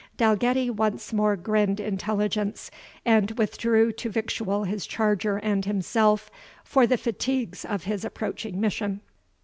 Dalgetty once more grinned intelligence, and withdrew to victual his charger and himself, for the fatigues of his approaching mission.